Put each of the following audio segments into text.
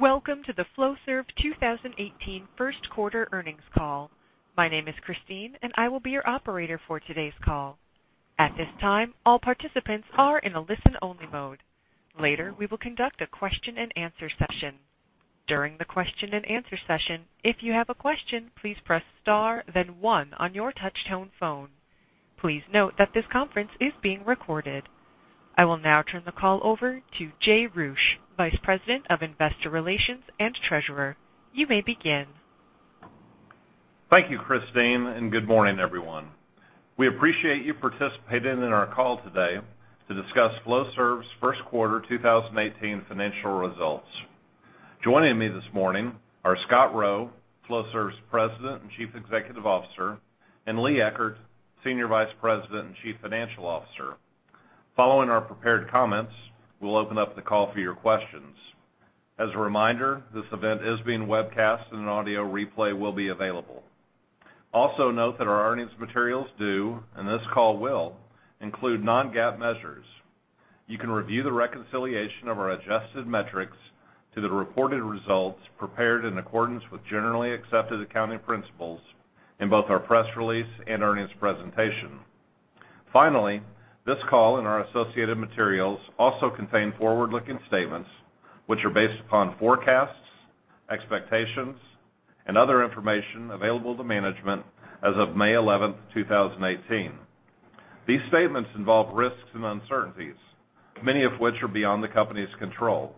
Welcome to the Flowserve 2018 first quarter earnings call. My name is Christine, and I will be your operator for today's call. At this time, all participants are in a listen-only mode. Later, we will conduct a question and answer session. During the question and answer session, if you have a question, please press star then one on your touch-tone phone. Please note that this conference is being recorded. I will now turn the call over to Jay Roueche, Vice President of Investor Relations and Treasurer. You may begin. Thank you, Christine, and good morning, everyone. We appreciate you participating in our call today to discuss Flowserve's first quarter 2018 financial results. Joining me this morning are Scott Rowe, Flowserve's President and Chief Executive Officer, and Lee Eckert, Senior Vice President and Chief Financial Officer. Following our prepared comments, we'll open up the call for your questions. As a reminder, this event is being webcast and an audio replay will be available. Also, note that our earnings materials do, and this call will, include non-GAAP measures. You can review the reconciliation of our adjusted metrics to the reported results prepared in accordance with generally accepted accounting principles in both our press release and earnings presentation. Finally, this call and our associated materials also contain forward-looking statements which are based upon forecasts, expectations, and other information available to management as of May 11, 2018. These statements involve risks and uncertainties, many of which are beyond the company's control.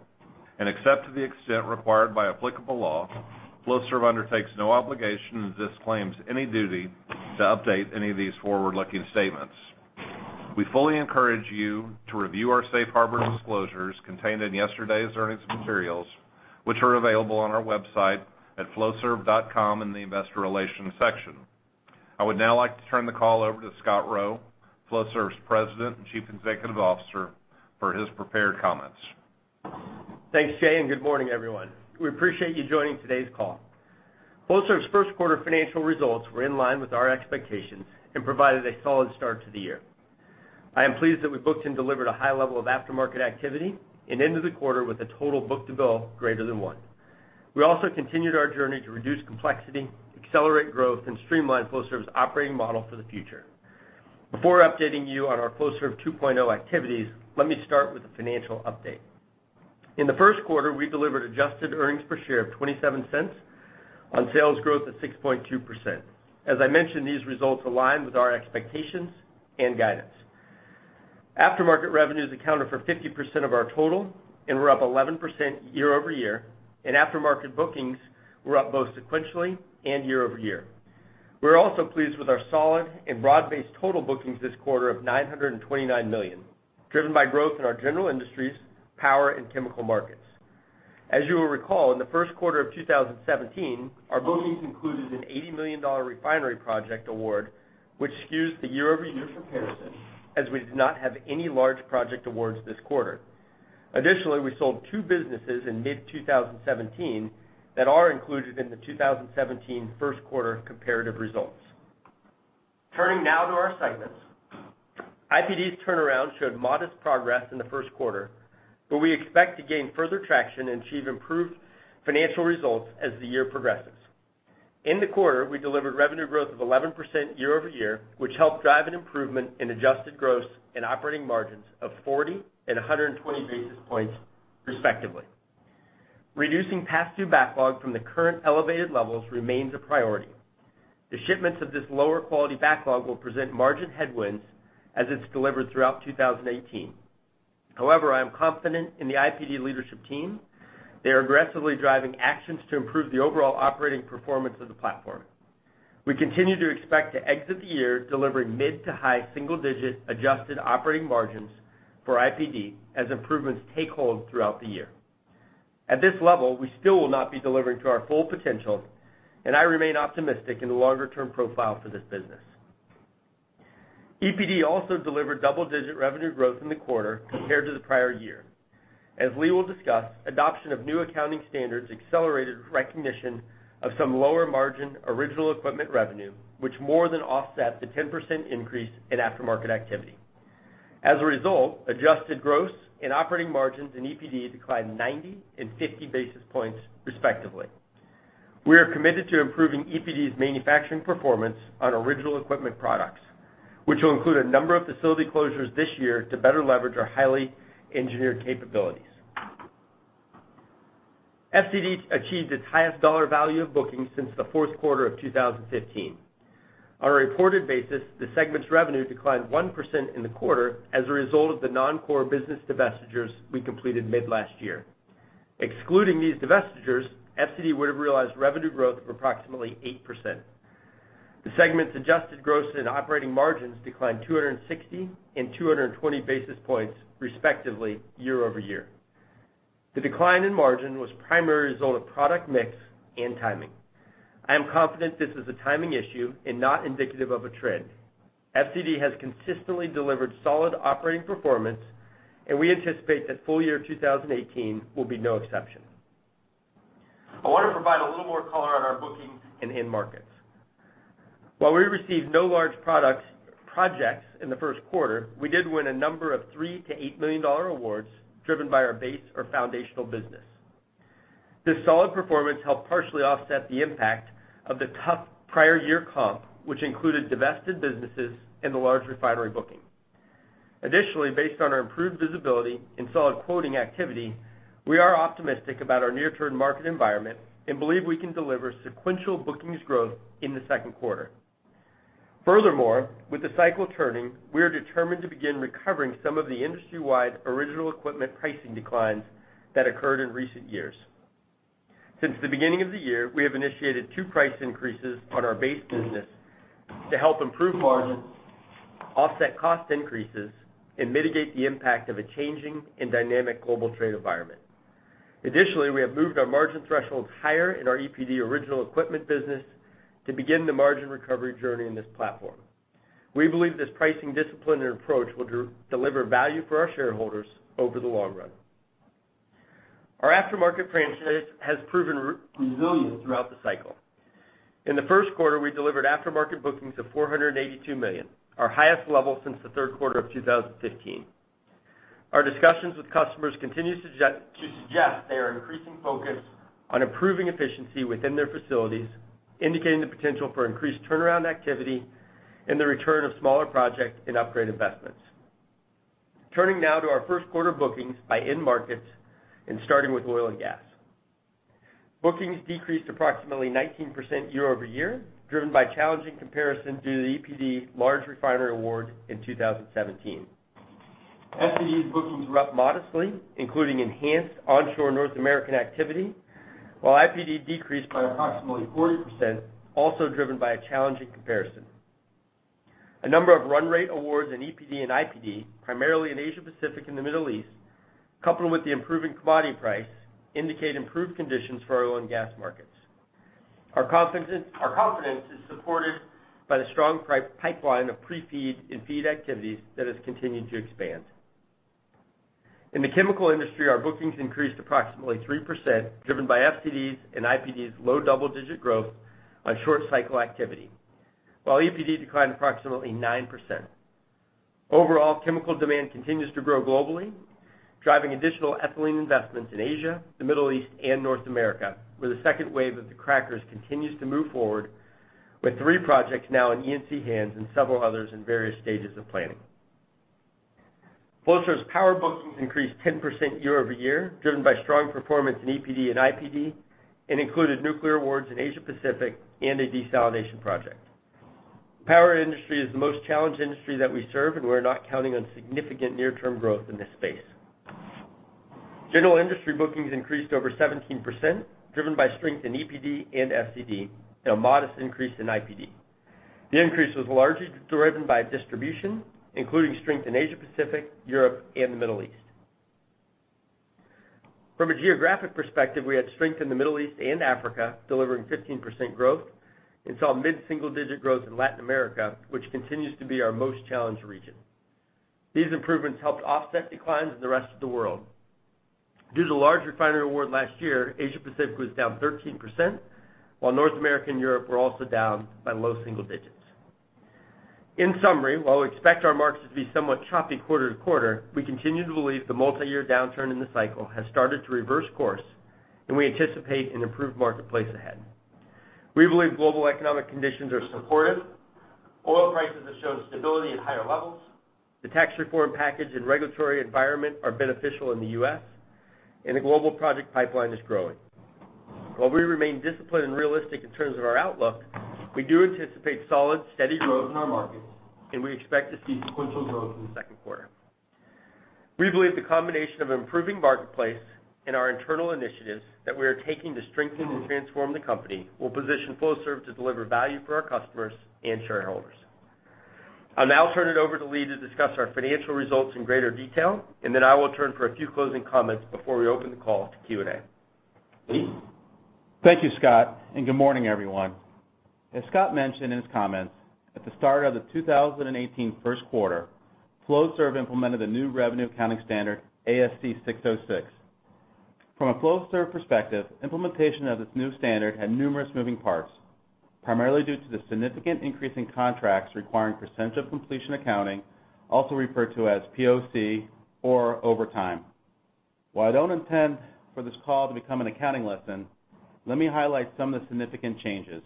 Except to the extent required by applicable law, Flowserve undertakes no obligation and disclaims any duty to update any of these forward-looking statements. We fully encourage you to review our safe harbor disclosures contained in yesterday's earnings materials, which are available on our website at flowserve.com in the investor relations section. I would now like to turn the call over to Scott Rowe, Flowserve's President and Chief Executive Officer, for his prepared comments. Thanks, Jay, good morning, everyone. We appreciate you joining today's call. Flowserve's first quarter financial results were in line with our expectations and provided a solid start to the year. I am pleased that we booked and delivered a high level of aftermarket activity and into the quarter with a total book-to-bill greater than one. We also continued our journey to reduce complexity, accelerate growth, and streamline Flowserve's operating model for the future. Before updating you on our Flowserve 2.0 activities, let me start with a financial update. In the first quarter, we delivered adjusted earnings per share of $0.27 on sales growth of 6.2%. As I mentioned, these results align with our expectations and guidance. Aftermarket revenues accounted for 50% of our total and were up 11% year-over-year. Aftermarket bookings were up both sequentially and year-over-year. We're also pleased with our solid and broad-based total bookings this quarter of $929 million, driven by growth in our general industries, power, and chemical markets. As you will recall, in the first quarter of 2017, our bookings included an $80 million refinery project award, which skews the year-over-year comparison, as we did not have any large project awards this quarter. Additionally, we sold two businesses in mid-2017 that are included in the 2017 first quarter comparative results. Turning now to our segments. IPD's turnaround showed modest progress in the first quarter. We expect to gain further traction and achieve improved financial results as the year progresses. In the quarter, we delivered revenue growth of 11% year-over-year, which helped drive an improvement in adjusted gross and operating margins of 40 and 120 basis points, respectively. Reducing pass-through backlog from the current elevated levels remains a priority. The shipments of this lower quality backlog will present margin headwinds as it's delivered throughout 2018. I am confident in the IPD leadership team. They are aggressively driving actions to improve the overall operating performance of the platform. We continue to expect to exit the year delivering mid to high single-digit adjusted operating margins for IPD as improvements take hold throughout the year. At this level, we still will not be delivering to our full potential, and I remain optimistic in the longer-term profile for this business. EPD also delivered double-digit revenue growth in the quarter compared to the prior year. As Lee will discuss, adoption of new accounting standards accelerated recognition of some lower margin original equipment revenue, which more than offset the 10% increase in aftermarket activity. As a result, adjusted gross and operating margins in EPD declined 90 and 50 basis points, respectively. We are committed to improving EPD's manufacturing performance on original equipment products, which will include a number of facility closures this year to better leverage our highly engineered capabilities. FCD achieved its highest dollar value of bookings since the fourth quarter of 2015. On a reported basis, the segment's revenue declined 1% in the quarter as a result of the non-core business divestitures we completed mid-last year. Excluding these divestitures, FCD would have realized revenue growth of approximately 8%. The segment's adjusted gross and operating margins declined 260 and 220 basis points, respectively, year-over-year. The decline in margin was primarily a result of product mix and timing. I am confident this is a timing issue and not indicative of a trend. FCD has consistently delivered solid operating performance, and we anticipate that full year 2018 will be no exception. I want to provide a little more color on our bookings and end markets. While we received no large projects in the first quarter, we did win a number of $3 million to $8 million awards driven by our base or foundational business. This solid performance helped partially offset the impact of the tough prior year comp, which included divested businesses and the large refinery booking. Based on our improved visibility and solid quoting activity, we are optimistic about our near-term market environment and believe we can deliver sequential bookings growth in the second quarter. With the cycle turning, we are determined to begin recovering some of the industry-wide original equipment pricing declines that occurred in recent years. Since the beginning of the year, we have initiated two price increases on our base business to help improve margins, offset cost increases, and mitigate the impact of a changing and dynamic global trade environment. Additionally, we have moved our margin thresholds higher in our EPD original equipment business to begin the margin recovery journey in this platform. We believe this pricing discipline and approach will deliver value for our shareholders over the long run. Our aftermarket franchise has proven resilient throughout the cycle. In the first quarter, we delivered aftermarket bookings of $482 million, our highest level since the third quarter of 2015. Our discussions with customers continue to suggest they are increasing focus on improving efficiency within their facilities, indicating the potential for increased turnaround activity and the return of smaller project and upgrade investments. Turning now to our first quarter bookings by end markets and starting with oil and gas. Bookings decreased approximately 19% year-over-year, driven by challenging comparison due to the EPD large refinery award in 2017. FCD's bookings were up modestly, including enhanced onshore North American activity, while IPD decreased by approximately 40%, also driven by a challenging comparison. A number of run rate awards in EPD and IPD, primarily in Asia Pacific and the Middle East, coupled with the improving commodity price, indicate improved conditions for our oil and gas markets. Our confidence is supported by the strong pipeline of pre-FEED and FEED activities that has continued to expand. In the chemical industry, our bookings increased approximately 3%, driven by FCD's and IPD's low double-digit growth on short cycle activity. While EPD declined approximately 9%. Overall, chemical demand continues to grow globally, driving additional ethylene investments in Asia, the Middle East, and North America, where the second wave of the crackers continues to move forward with three projects now in E&C hands and several others in various stages of planning. Flowserve's power bookings increased 10% year-over-year, driven by strong performance in EPD and IPD and included nuclear awards in Asia Pacific and a desalination project. The power industry is the most challenged industry that we serve, and we're not counting on significant near-term growth in this space. General industry bookings increased over 17%, driven by strength in EPD and FCD, and a modest increase in IPD. The increase was largely driven by distribution, including strength in Asia Pacific, Europe, and the Middle East. From a geographic perspective, we had strength in the Middle East and Africa, delivering 15% growth and saw mid-single-digit growth in Latin America, which continues to be our most challenged region. These improvements helped offset declines in the rest of the world. Due to the large refinery award last year, Asia Pacific was down 13%, while North America and Europe were also down by low single digits. In summary, while we expect our markets to be somewhat choppy quarter-to-quarter, we continue to believe the multi-year downturn in the cycle has started to reverse course, and we anticipate an improved marketplace ahead. We believe global economic conditions are supportive. Oil prices have shown stability at higher levels. The tax reform package and regulatory environment are beneficial in the U.S., and the global project pipeline is growing. While we remain disciplined and realistic in terms of our outlook, we do anticipate solid, steady growth in our markets, and we expect to see sequential growth in the second quarter. We believe the combination of improving marketplace and our internal initiatives that we are taking to strengthen and transform the company will position Flowserve to deliver value for our customers and shareholders. I'll now turn it over to Lee to discuss our financial results in greater detail, then I will return for a few closing comments before we open the call to Q&A. Lee? Thank you, Scott, and good morning, everyone. As Scott mentioned in his comments, at the start of the 2018 first quarter, Flowserve implemented a new revenue accounting standard, ASC 606. From a Flowserve perspective, implementation of this new standard had numerous moving parts, primarily due to the significant increase in contracts requiring percentage of completion accounting, also referred to as POC or overtime. While I don't intend for this call to become an accounting lesson, let me highlight some of the significant changes.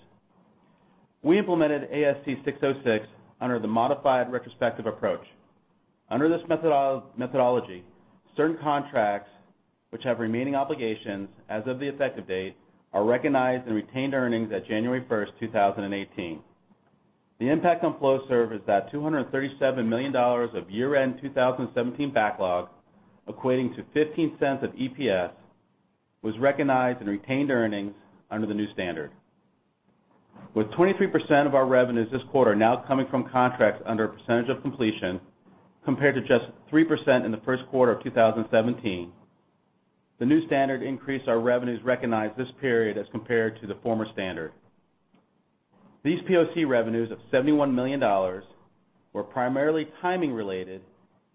We implemented ASC 606 under the modified retrospective approach. Under this methodology, certain contracts which have remaining obligations as of the effective date are recognized in retained earnings at January 1st, 2018. The impact on Flowserve is that $237 million of year-end 2017 backlog, equating to $0.15 of EPS, was recognized in retained earnings under the new standard. With 23% of our revenues this quarter now coming from contracts under percentage of completion compared to just 3% in the first quarter of 2017, the new standard increased our revenues recognized this period as compared to the former standard. These POC revenues of $71 million were primarily timing related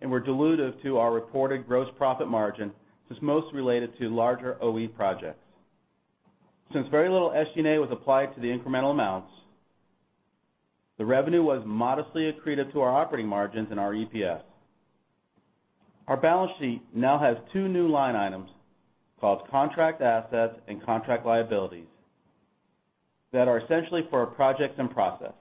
and were dilutive to our reported gross profit margin, which most related to larger OE projects. Since very little SG&A was applied to the incremental amounts, the revenue was modestly accretive to our operating margins and our EPS. Our balance sheet now has two new line items called contract assets and contract liabilities that are essentially for our projects and process.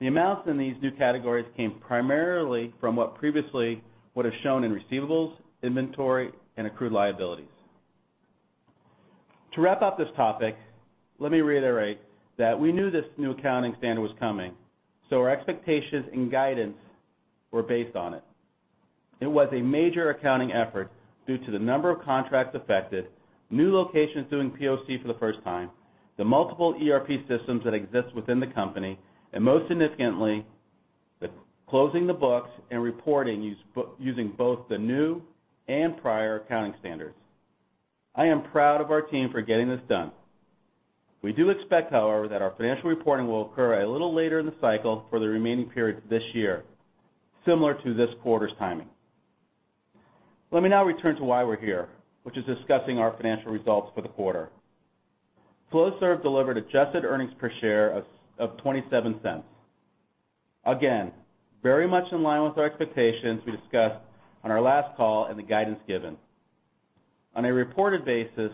The amounts in these new categories came primarily from what previously would have shown in receivables, inventory, and accrued liabilities. To wrap up this topic, let me reiterate that we knew this new accounting standard was coming, so our expectations and guidance were based on it. It was a major accounting effort due to the number of contracts affected, new locations doing POC for the first time, the multiple ERP systems that exist within the company, and most significantly, the closing the books and reporting using both the new and prior accounting standards. I am proud of our team for getting this done. We do expect, however, that our financial reporting will occur a little later in the cycle for the remaining periods this year, similar to this quarter's timing. Let me now return to why we're here, which is discussing our financial results for the quarter. Flowserve delivered adjusted earnings per share of $0.27. Again, very much in line with our expectations we discussed on our last call and the guidance given. On a reported basis,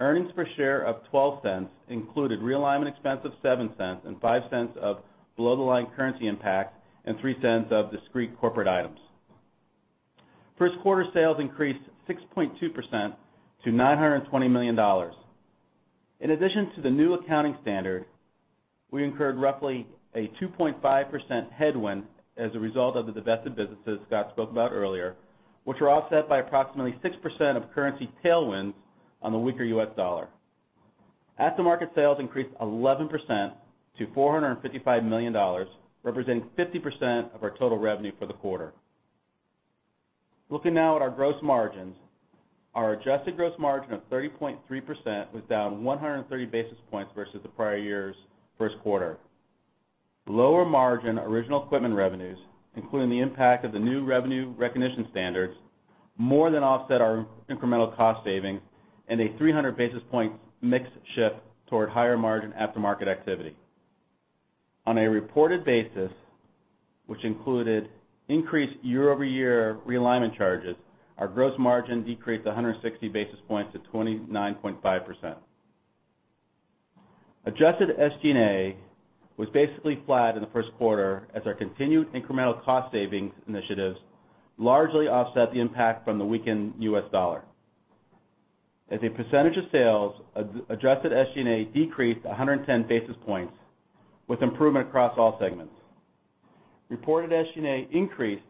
earnings per share of $0.12 included realignment expense of $0.07 and $0.05 of below-the-line currency impact, and $0.03 of discrete corporate items. First quarter sales increased 6.2% to $920 million. In addition to the new accounting standard, we incurred roughly a 2.5% headwind as a result of the divested businesses Scott spoke about earlier, which were offset by approximately 6% of currency tailwinds on the weaker U.S. dollar. Aftermarket sales increased 11% to $455 million, representing 50% of our total revenue for the quarter. Looking now at our gross margins. Our adjusted gross margin of 30.3% was down 130 basis points versus the prior year's first quarter. Lower-margin original equipment revenues, including the impact of the new revenue recognition standards, more than offset our incremental cost savings and a 300 basis points mix shift toward higher-margin aftermarket activity. On a reported basis, which included increased year-over-year realignment charges, our gross margin decreased 160 basis points to 29.5%. Adjusted SG&A was basically flat in the first quarter as our continued incremental cost-saving initiatives largely offset the impact from the weakened U.S. dollar. As a percentage of sales, adjusted SG&A decreased 110 basis points with improvement across all segments. Reported SG&A increased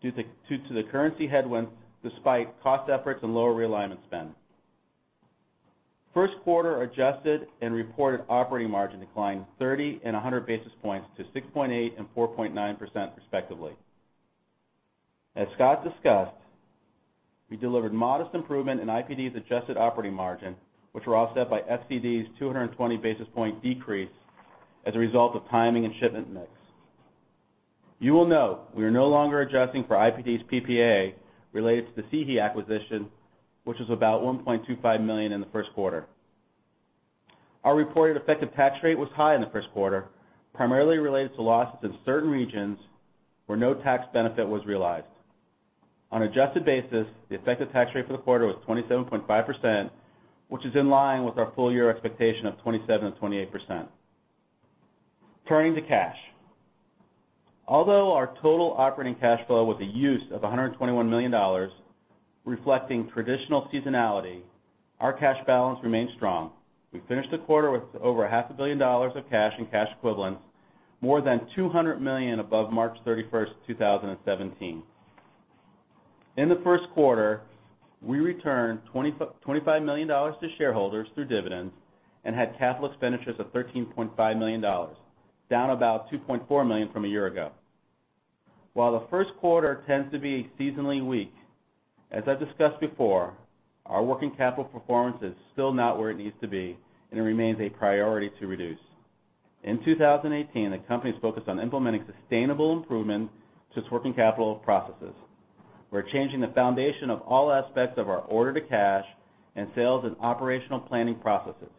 due to the currency headwinds despite cost efforts and lower realignment spend. First quarter adjusted and reported operating margin declined 30 and 100 basis points to 6.8% and 4.9% respectively. As Scott discussed, we delivered modest improvement in IPD's adjusted operating margin, which were offset by FCD's 220 basis point decrease as a result of timing and shipment mix. You will note we are no longer adjusting for IPD's PPA related to the CEHE acquisition, which was about $1.25 million in the first quarter. Our reported effective tax rate was high in the first quarter, primarily related to losses in certain regions where no tax benefit was realized. On an adjusted basis, the effective tax rate for the quarter was 27.5%, which is in line with our full-year expectation of 27%-28%. Turning to cash. Although our total operating cash flow with a use of $121 million reflecting traditional seasonality, our cash balance remains strong. We finished the quarter with over a half a billion dollars of cash and cash equivalents, more than $200 million above March 31st, 2017. In the first quarter, we returned $25 million to shareholders through dividends and had capital expenditures of $13.5 million, down about $2.4 million from a year ago. While the first quarter tends to be seasonally weak, as I've discussed before, our working capital performance is still not where it needs to be, and it remains a priority to reduce. In 2018, the company's focused on implementing sustainable improvements to its working capital processes. We're changing the foundation of all aspects of our order to cash and sales and operational planning processes.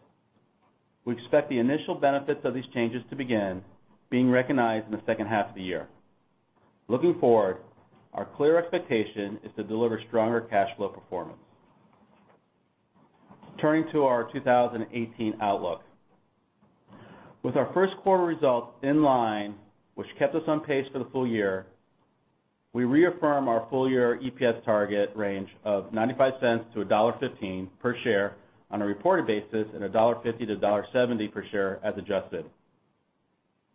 We expect the initial benefits of these changes to begin being recognized in the second half of the year. Looking forward, our clear expectation is to deliver stronger cash flow performance. Turning to our 2018 outlook. With our first quarter results in line, which kept us on pace for the full year, we reaffirm our full-year EPS target range of $0.95 to $1.15 per share on a reported basis, and $1.50 to $1.70 per share as adjusted.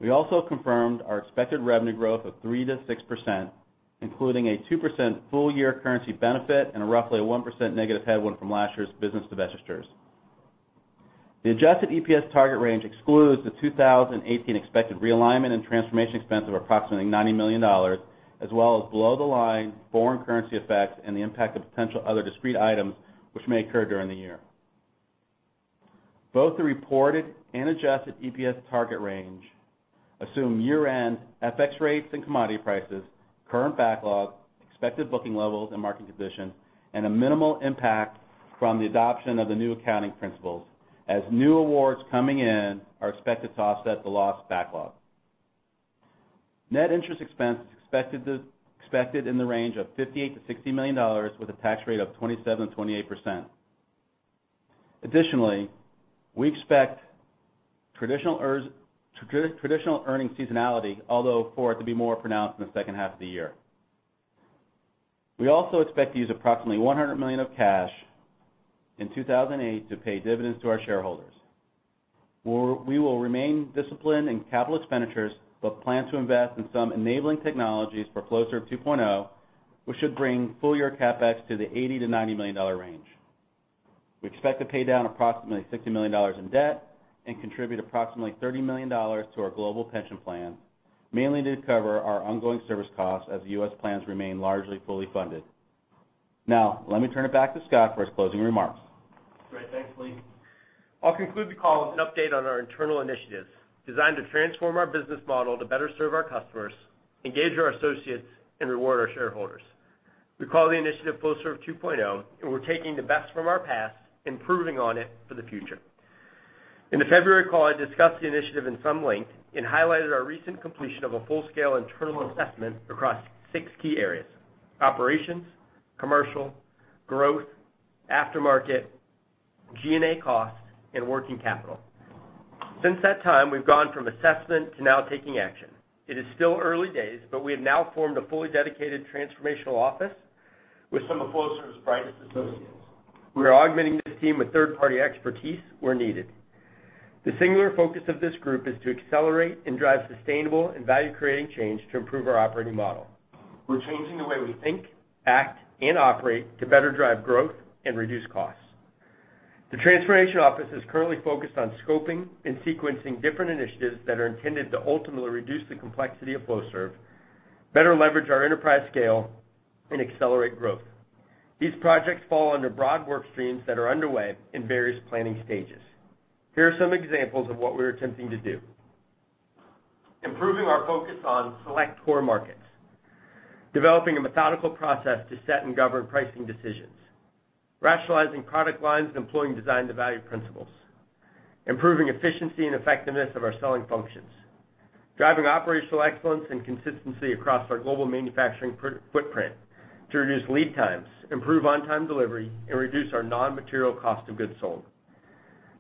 We also confirmed our expected revenue growth of 3%-6%, including a 2% full-year currency benefit and a roughly 1% negative headwind from last year's business divestitures. The adjusted EPS target range excludes the 2018 expected realignment and transformation expense of approximately $90 million, as well as below the line foreign currency effects and the impact of potential other discrete items which may occur during the year. Both the reported and adjusted EPS target range assume year-end FX rates and commodity prices, current backlog, expected booking levels and market conditions, and a minimal impact from the adoption of the new accounting principles, as new awards coming in are expected to offset the lost backlog. Net interest expense is expected in the range of $58 million-$60 million with a tax rate of 27%-28%. Additionally, we expect traditional earning seasonality, although for it to be more pronounced in the second half of the year. We also expect to use approximately $100 million of cash in 2018 to pay dividends to our shareholders. We will remain disciplined in capital expenditures but plan to invest in some enabling technologies for Flowserve 2.0, which should bring full-year CapEx to the $80 million-$90 million range. We expect to pay down approximately $60 million in debt and contribute approximately $30 million to our global pension plan, mainly to cover our ongoing service costs as the U.S. plans remain largely fully funded. Now, let me turn it back to Scott for his closing remarks. Great. Thanks, Lee. I'll conclude the call with an update on our internal initiatives designed to transform our business model to better serve our customers, engage our associates, and reward our shareholders. We call the initiative Flowserve 2.0, and we're taking the best from our past, improving on it for the future. In the February call, I discussed the initiative in some length and highlighted our recent completion of a full-scale internal assessment across six key areas: operations, commercial, growth, aftermarket, G&A costs, and working capital. Since that time, we've gone from assessment to now taking action. It is still early days, but we have now formed a fully dedicated transformational office with some of Flowserve's brightest associates. We are augmenting this team with third-party expertise where needed. The singular focus of this group is to accelerate and drive sustainable and value-creating change to improve our operating model. We're changing the way we think, act, and operate to better drive growth and reduce costs. The transformation office is currently focused on scoping and sequencing different initiatives that are intended to ultimately reduce the complexity of Flowserve, better leverage our enterprise scale, and accelerate growth. These projects fall under broad work streams that are underway in various planning stages. Here are some examples of what we're attempting to do. Improving our focus on select core markets. Developing a methodical process to set and govern pricing decisions. Rationalizing product lines and employing design-to-value principles. Improving efficiency and effectiveness of our selling functions. Driving operational excellence and consistency across our global manufacturing footprint to reduce lead times, improve on-time delivery, and reduce our non-material cost of goods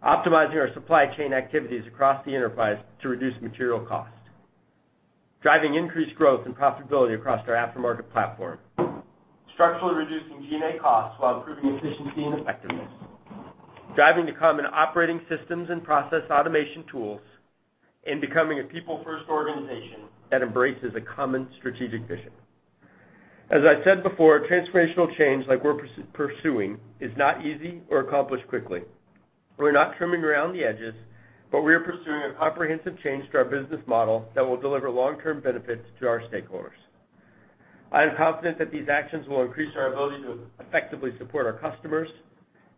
sold. Optimizing our supply chain activities across the enterprise to reduce material cost. Driving increased growth and profitability across our aftermarket platform. Structurally reducing G&A costs while improving efficiency and effectiveness. Becoming a people-first organization that embraces a common strategic vision. As I said before, transformational change like we're pursuing is not easy or accomplished quickly. We are pursuing a comprehensive change to our business model that will deliver long-term benefits to our stakeholders. I am confident that these actions will increase our ability to effectively support our customers,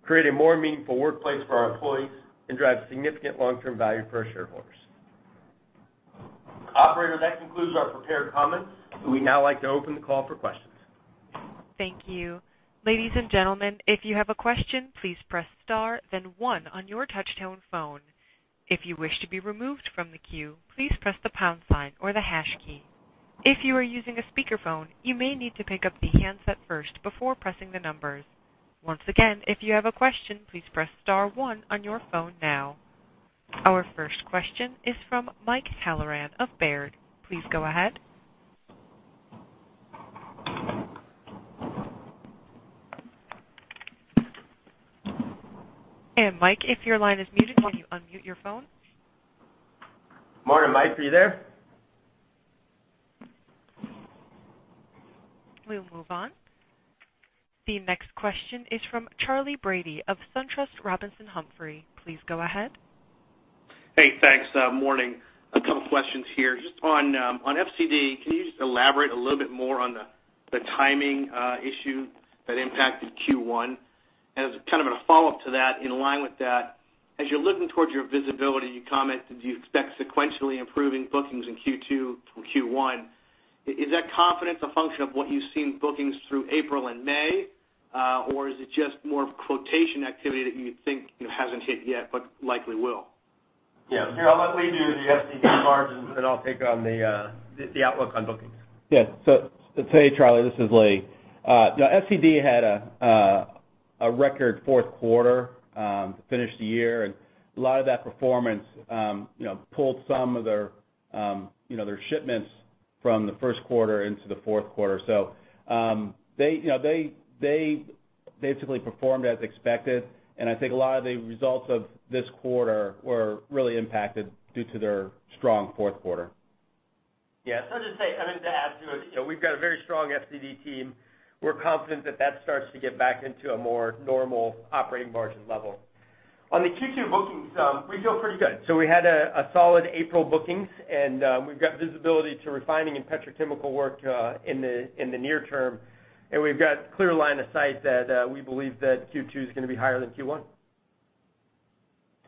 create a more meaningful workplace for our employees, and drive significant long-term value for our shareholders. Operator, that concludes our prepared comments. We'd now like to open the call for questions. Thank you. Ladies and gentlemen, if you have a question, please press star then one on your touch-tone phone. If you wish to be removed from the queue, please press the pound sign or the hash key. If you are using a speakerphone, you may need to pick up the handset first before pressing the numbers. Once again, if you have a question, please press star one on your phone now. Our first question is from Michael Halloran of Baird. Please go ahead. Mike, if your line is muted, can you unmute your phone? Morning, Mike. Are you there? We'll move on. The next question is from Charley Brady of SunTrust Robinson Humphrey. Please go ahead. Hey, thanks. Morning. Two questions here. Just on FCD, can you just elaborate a little bit more on the timing issue that impacted Q1? As kind of a follow-up to that, in line with that, as you're looking towards your visibility, you commented you expect sequentially improving bookings in Q2 from Q1. Is that confidence a function of what you've seen bookings through April and May? Is it just more of quotation activity that you think hasn't hit yet, but likely will? Yeah. Here, I'll let Lee do the FCD part, then I'll take on the outlook on bookings. Yeah. Hey, Charley, this is Lee. FCD had a record fourth quarter to finish the year, and a lot of that performance pulled some of their shipments from the first quarter into the fourth quarter. They basically performed as expected, and I think a lot of the results of this quarter were really impacted due to their strong fourth quarter. Yeah. I'll just say, to add to it, we've got a very strong FCD team. We're confident that that starts to get back into a more normal operating margin level. On the Q2 bookings, we feel pretty good. We had a solid April bookings, and we've got visibility to refining and petrochemical work in the near term, and we've got clear line of sight that we believe that Q2 is going to be higher than Q1.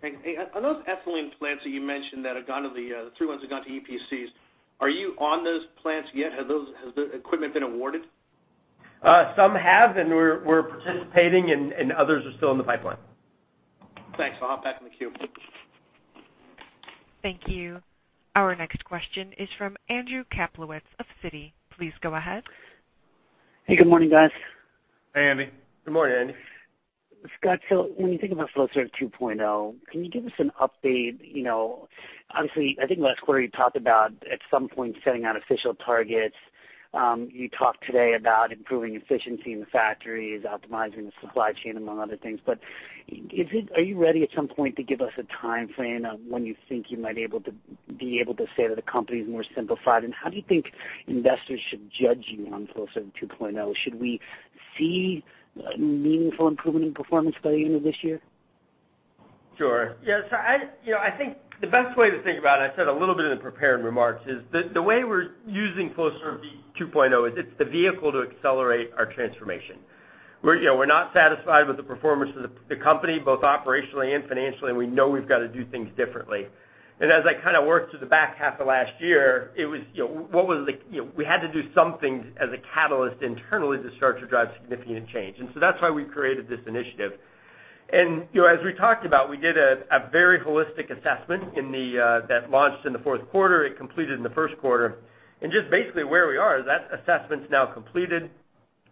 Thanks. On those ethylene plants that you mentioned, the three ones that have gone to EPCs, are you on those plants yet? Has the equipment been awarded? Some have, and we're participating, and others are still in the pipeline. Thanks. I'll hop back in the queue. Thank you. Our next question is from Andrew Kaplowitz of Citi. Please go ahead. Hey, good morning, guys. Hey, Andy. Good morning, Andy. Scott, when you think about Flowserve 2.0, can you give us an update? Obviously, I think last quarter you talked about at some point setting out official targets. You talked today about improving efficiency in the factories, optimizing the supply chain, among other things. Are you ready at some point to give us a timeframe on when you think you might be able to say that the company is more simplified? How do you think investors should judge you on Flowserve 2.0? Should we see meaningful improvement in performance by the end of this year? Sure. Yes, I think the best way to think about it, I said a little bit in the prepared remarks, is the way we're using Flowserve 2.0 is it's the vehicle to accelerate our transformation. We're not satisfied with the performance of the company, both operationally and financially, we know we've got to do things differently. As I worked through the back half of last year, we had to do something as a catalyst internally to start to drive significant change. So that's why we created this initiative. As we talked about, we did a very holistic assessment that launched in the fourth quarter. It completed in the first quarter. Just basically where we are is that assessment's now completed.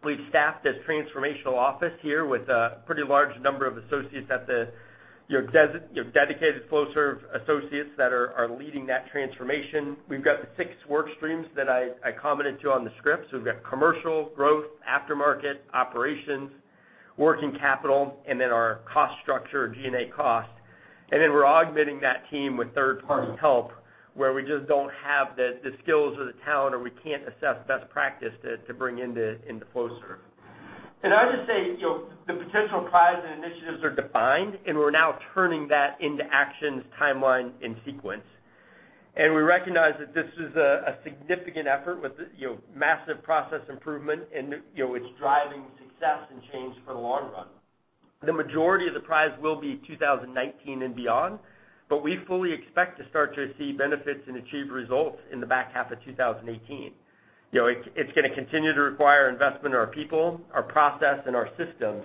We've staffed a transformational office here with a pretty large number of associates, dedicated Flowserve associates that are leading that transformation. We've got the six work streams that I commented to on the script. We've got commercial, growth, aftermarket, operations, working capital, and then our cost structure, G&A cost. Then we're augmenting that team with third-party help, where we just don't have the skills or the talent, or we can't assess best practice to bring into Flowserve. I would just say, the potential prize and initiatives are defined, and we're now turning that into actions, timeline, and sequence. We recognize that this is a significant effort with massive process improvement, and it's driving success and change for the long run. The majority of the prize will be 2019 and beyond, but we fully expect to start to see benefits and achieve results in the back half of 2018. It's going to continue to require investment in our people, our process, and our systems.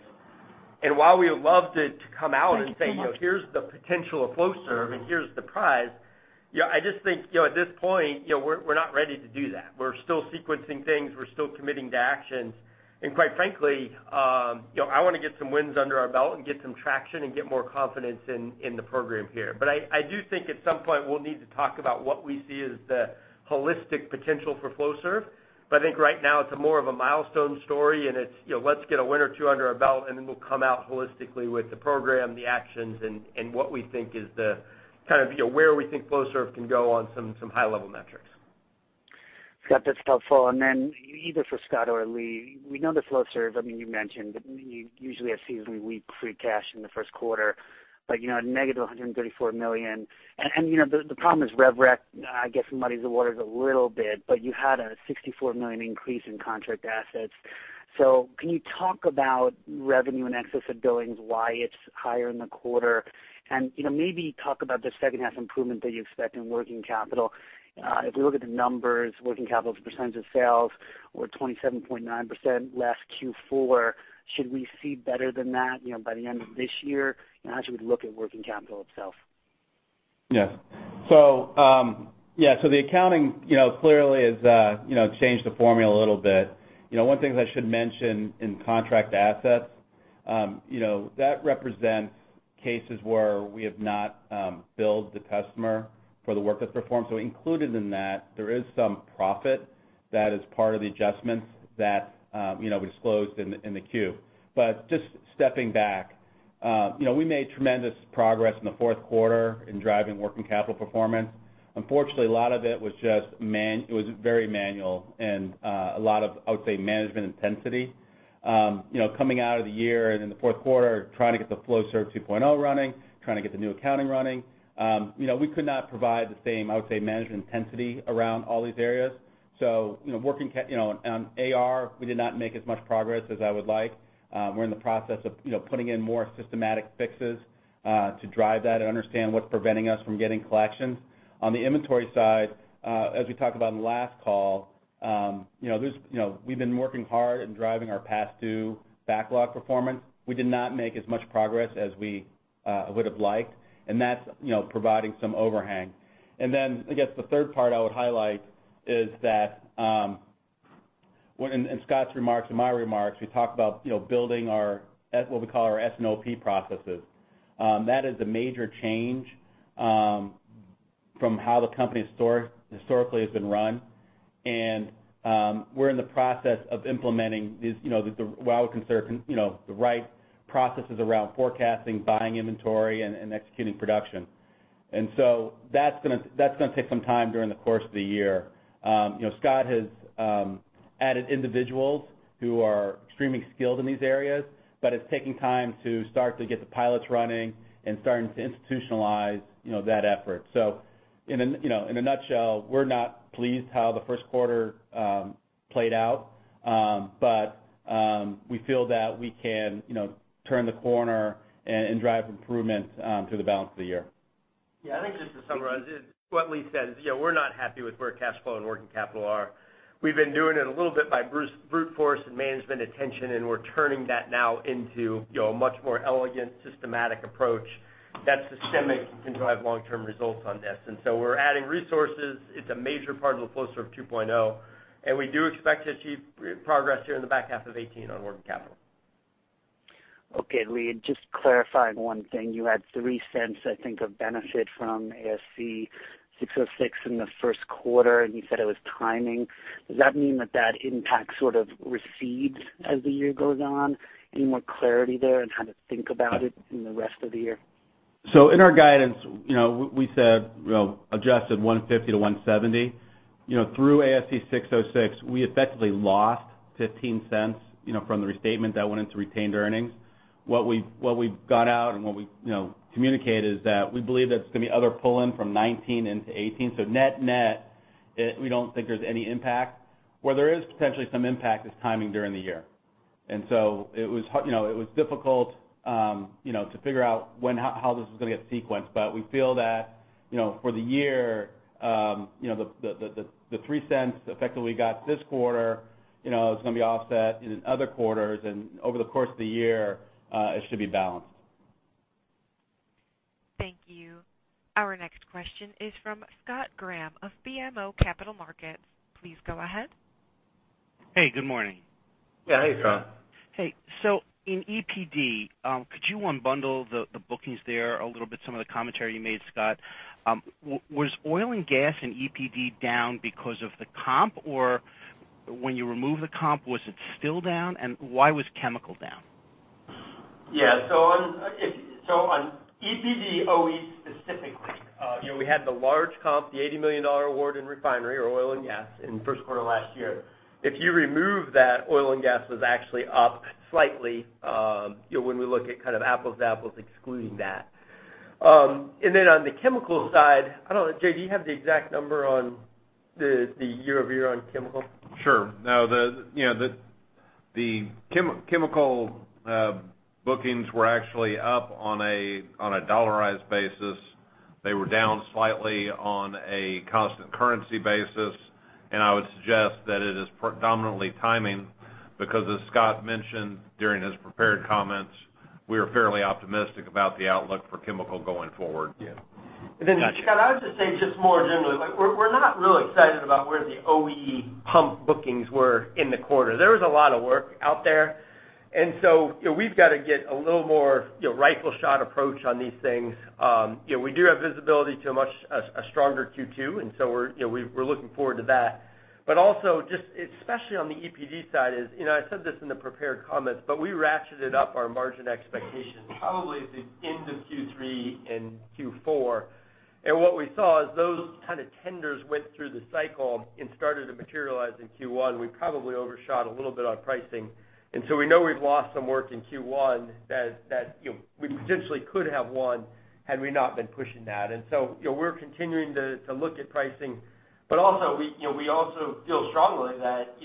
While we would love to come out and say- Thank you so much Here's the potential of Flowserve and here's the prize. I just think, at this point, we're not ready to do that. We're still sequencing things. We're still committing to actions. Quite frankly, I want to get some wins under our belt and get some traction and get more confidence in the program here. I do think at some point we'll need to talk about what we see as the holistic potential for Flowserve. I think right now it's more of a milestone story, and it's let's get a win or two under our belt, and then we'll come out holistically with the program, the actions, and where we think Flowserve can go on some high-level metrics. Scott, that's helpful. Then either for Scott or Lee, we know that Flowserve, you mentioned you usually have seasonally weak free cash in the first quarter, but negative $134 million. The problem is rev rec, I guess muddies the waters a little bit, but you had a $64 million increase in contract assets. Can you talk about revenue in excess of billings, why it's higher in the quarter? Maybe talk about the second half improvement that you expect in working capital. If we look at the numbers, working capital as a percentage of sales or 27.9% last Q4, should we see better than that by the end of this year? How should we look at working capital itself? Yes. The accounting clearly has changed the formula a little bit. One thing that I should mention in contract assets, that represents cases where we have not billed the customer for the work that's performed. Included in that, there is some profit that is part of the adjustments that we disclosed in the Q. Just stepping back, we made tremendous progress in the fourth quarter in driving working capital performance. Unfortunately, a lot of it was very manual and a lot of, I would say, management intensity. Coming out of the year and in the fourth quarter, trying to get the Flowserve 2.0 running, trying to get the new accounting running. We could not provide the same, I would say, management intensity around all these areas. On AR, we did not make as much progress as I would like. We're in the process of putting in more systematic fixes to drive that and understand what's preventing us from getting collections. On the inventory side, as we talked about on the last call, we've been working hard in driving our past due backlog performance. We did not make as much progress as we would have liked, and that's providing some overhang. I guess the third part I would highlight is that in Scott's remarks and my remarks, we talked about building what we call our S&OP processes. That is a major change from how the company historically has been run, and we're in the process of implementing what I would consider the right processes around forecasting, buying inventory and executing production. That's going to take some time during the course of the year. Scott has added individuals who are extremely skilled in these areas, but it's taking time to start to get the pilots running and starting to institutionalize that effort. In a nutshell, we're not pleased how the first quarter played out. We feel that we can turn the corner and drive improvement through the balance of the year. I think just to summarize what Lee said is, we're not happy with where cash flow and working capital are. We've been doing it a little bit by brute force and management attention, we're turning that now into a much more elegant, systematic approach that's systemic and can drive long-term results on this. We're adding resources. It's a major part of the Flowserve 2.0, and we do expect to achieve progress here in the back half of 2018 on working capital. Lee, just clarifying one thing. You had $0.03, I think, of benefit from ASC 606 in the first quarter, you said it was timing. Does that mean that that impact sort of recedes as the year goes on? Any more clarity there on how to think about it in the rest of the year? In our guidance, we said adjusted $1.50 to $1.70. Through ASC 606, we effectively lost $0.15 from the restatement that went into retained earnings. What we've got out and what we communicated is that we believe that it is going to be other pull-in from 2019 into 2018. Net-net, we do not think there is any impact. Where there is potentially some impact is timing during the year. It was difficult to figure out how this was going to get sequenced. We feel that for the year, the $0.03 effect that we got this quarter, is going to be offset in other quarters. Over the course of the year, it should be balanced. Thank you. Our next question is from Scott Graham of BMO Capital Markets. Please go ahead. Hey, good morning. Yeah, hey, Scott. Hey. In EPD, could you unbundle the bookings there a little bit, some of the commentary you made, Scott? Was oil and gas in EPD down because of the comp? Or when you remove the comp, was it still down? Why was chemical down? Yeah. On EPD OE specifically, we had the large comp, the $80 million award in refinery or oil and gas in the first quarter of last year. If you remove that, oil and gas was actually up slightly, when we look at kind of apples to apples, excluding that. On the chemical side, I don't know, Jay, do you have the exact number on the year-over-year on chemical? Sure. No, the chemical bookings were actually up on a dollarized basis. They were down slightly on a constant currency basis. I would suggest that it is predominantly timing because as Scott mentioned during his prepared comments, we are fairly optimistic about the outlook for chemical going forward. Scott, I would just say just more generally, we're not real excited about where the OE pump bookings were in the quarter. There was a lot of work out there, we've got to get a little more rifle shot approach on these things. We do have visibility to a stronger Q2, we're looking forward to that. Especially on the EPD side is, I said this in the prepared comments, we ratcheted up our margin expectations probably into Q3 and Q4. What we saw is those kind of tenders went through the cycle and started to materialize in Q1. We probably overshot a little bit on pricing. We know we've lost some work in Q1 that we potentially could have won had we not been pushing that. We're continuing to look at pricing, but also we feel strongly that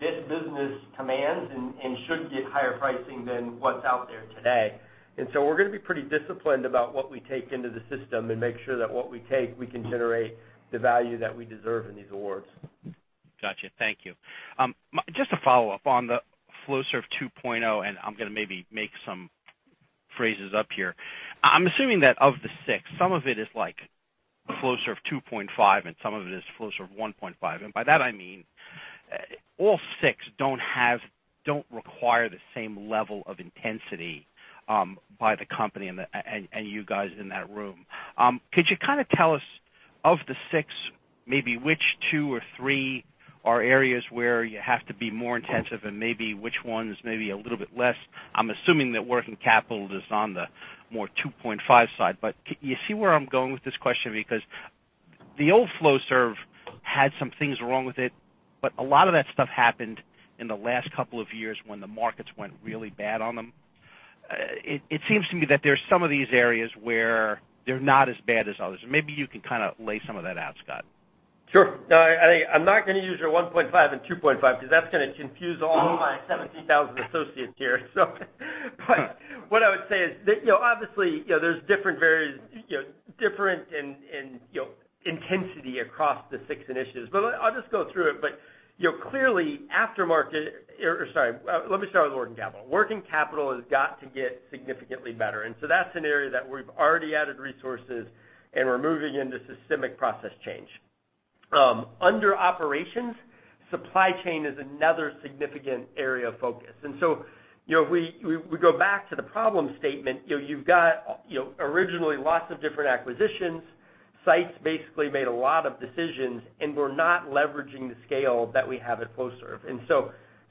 this business commands and should get higher pricing than what's out there today. We're going to be pretty disciplined about what we take into the system and make sure that what we take, we can generate the value that we deserve in these awards. Got you. Thank you. Just a follow-up on the Flowserve 2.0, I'm going to maybe make some phrases up here. I'm assuming that of the six, some of it is like Flowserve 2.5 and some of it is Flowserve 1.5. By that I mean all six don't require the same level of intensity by the company and you guys in that room. Could you kind of tell us of the six, maybe which two or three are areas where you have to be more intensive and maybe which ones may be a little bit less? I'm assuming that working capital is on the more 2.5 side, but you see where I'm going with this question because the old Flowserve had some things wrong with it, but a lot of that stuff happened in the last couple of years when the markets went really bad on them. It seems to me that there's some of these areas where they're not as bad as others, and maybe you can kind of lay some of that out, Scott. Sure. I'm not going to use your 1.5 and 2.5 because that's going to confuse all my 17,000 associates here. What I would say is obviously there's different and intensity across the six initiatives. I'll just go through it. Clearly aftermarket-- or sorry, let me start with working capital. Working capital has got to get significantly better, that's an area that we've already added resources and we're moving into systemic process change. Under operations, supply chain is another significant area of focus. We go back to the problem statement. You've got originally lots of different acquisitions sites basically made a lot of decisions, and we're not leveraging the scale that we have at Flowserve.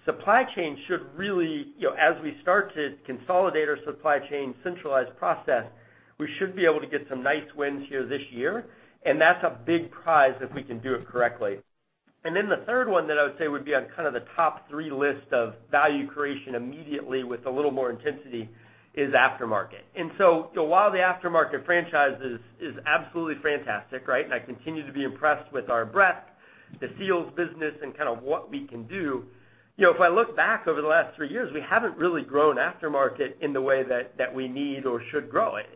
Supply chain should really, as we start to consolidate our supply chain centralized process, we should be able to get some nice wins here this year, and that's a big prize if we can do it correctly. The third one that I would say would be on kind of the top 3 list of value creation immediately with a little more intensity is aftermarket. While the aftermarket franchise is absolutely fantastic, and I continue to be impressed with our breadth, the seals business, and kind of what we can do. If I look back over the last 3 years, we haven't really grown aftermarket in the way that we need or should grow it.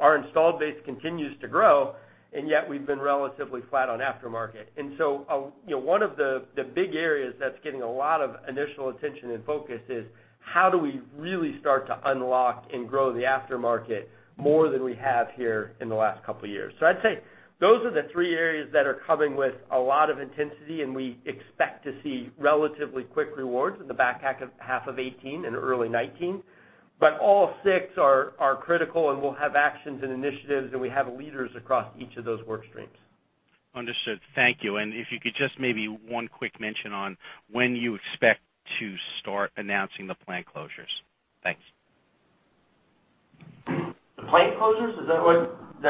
Our installed base continues to grow, and yet we've been relatively flat on aftermarket. One of the big areas that's getting a lot of initial attention and focus is how do we really start to unlock and grow the aftermarket more than we have here in the last couple of years. I'd say those are the 3 areas that are coming with a lot of intensity, and we expect to see relatively quick rewards in the back half of 2018 and early 2019. All 6 are critical, and we'll have actions and initiatives, and we have leaders across each of those work streams. Understood. Thank you. If you could just maybe one quick mention on when you expect to start announcing the plant closures. Thanks. The plant closures, is that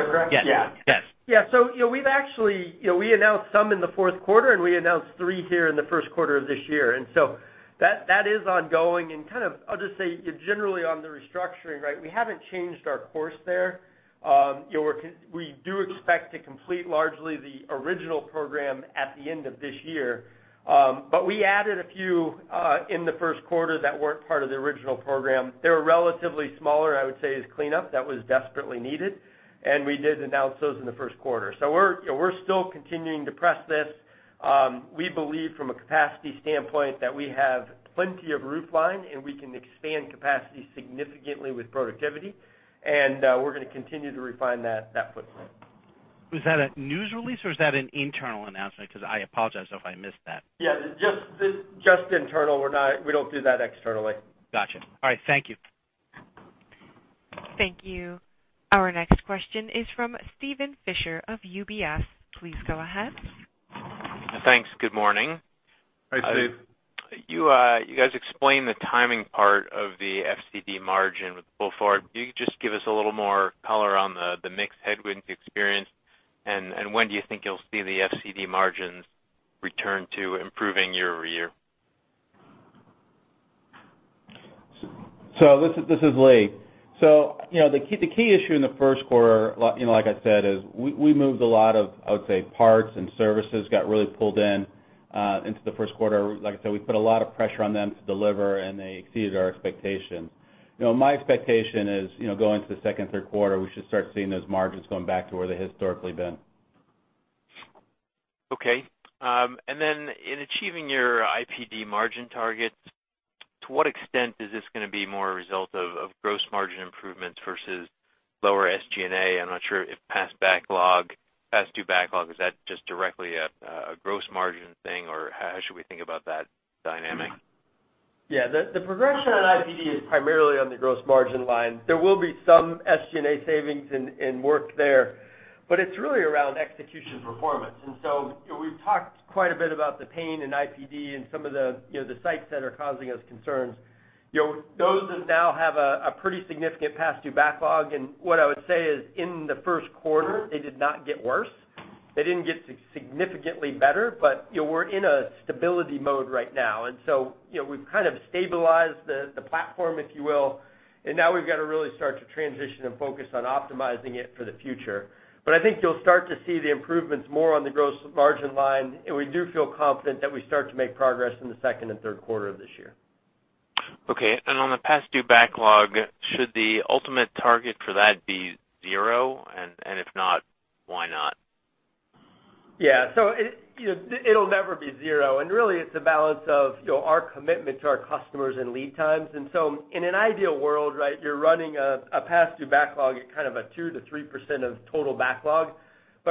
correct? Yes. Yeah. We announced some in the fourth quarter, we announced three here in the first quarter of this year. That is ongoing and kind of, I'll just say, generally on the restructuring, we haven't changed our course there. We do expect to complete largely the original program at the end of this year. We added a few in the first quarter that weren't part of the original program. They were relatively smaller, I would say, as cleanup. That was desperately needed. We did announce those in the first quarter. We're still continuing to press this. We believe from a capacity standpoint that we have plenty of roofline, and we can expand capacity significantly with productivity. We're going to continue to refine that footprint. Was that a news release or was that an internal announcement, because I apologize if I missed that? Yeah, just internal. We don't do that externally. Got you. All right. Thank you. Thank you. Our next question is from Steven Fisher of UBS. Please go ahead. Thanks. Good morning. Hi, Steve. You guys explained the timing part of the FCD margin with pull forward. Can you just give us a little more color on the mix headwinds experienced, and when do you think you'll see the FCD margins return to improving year-over-year? This is Lee. The key issue in the first quarter, like I said, is we moved a lot of, I would say, parts and services got really pulled in into the first quarter. Like I said, we put a lot of pressure on them to deliver, and they exceeded our expectations. My expectation is, going into the second, third quarter, we should start seeing those margins going back to where they historically been. Okay. In achieving your IPD margin targets, to what extent is this going to be more a result of gross margin improvements versus lower SG&A? I'm not sure if past due backlog, is that just directly a gross margin thing, or how should we think about that dynamic? Yeah. The progression on IPD is primarily on the gross margin line. There will be some SG&A savings and work there, but it's really around execution performance. We've talked quite a bit about the pain in IPD and some of the sites that are causing us concerns. Those now have a pretty significant past due backlog, and what I would say is in the first quarter, they did not get worse. They didn't get significantly better, but we're in a stability mode right now. We've kind of stabilized the platform, if you will. Now we've got to really start to transition and focus on optimizing it for the future. I think you'll start to see the improvements more on the gross margin line, and we do feel confident that we start to make progress in the second and third quarter of this year. Okay. On the past due backlog, should the ultimate target for that be zero? If not, why not? Yeah. It'll never be zero. Really, it's a balance of our commitment to our customers and lead times. In an ideal world, you're running a past due backlog at kind of a 2%-3% of total backlog.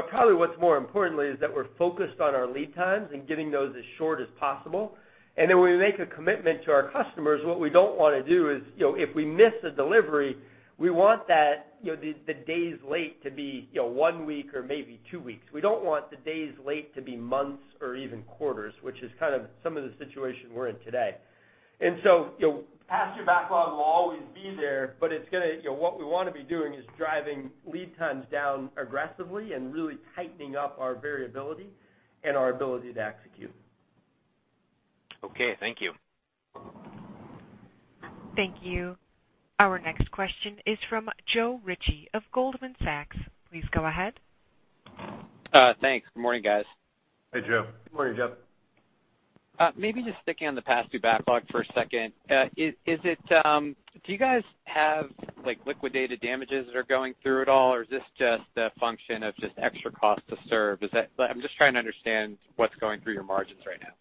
Probably what's more importantly is that we're focused on our lead times and getting those as short as possible. When we make a commitment to our customers, what we don't want to do is, if we miss a delivery, we want the days late to be one week or maybe two weeks. We don't want the days late to be months or even quarters, which is kind of some of the situation we're in today. Past due backlog will always be there, but what we want to be doing is driving lead times down aggressively and really tightening up our variability and our ability to execute. Okay. Thank you. Thank you. Our next question is from Joe Ritchie of Goldman Sachs. Please go ahead. Thanks. Good morning, guys. Hey, Joe. Good morning, Joe. Maybe just sticking on the past due backlog for a second. Do you guys have liquidated damages that are going through it all, or is this just a function of just extra cost to serve? I'm just trying to understand what's going through your margins right now.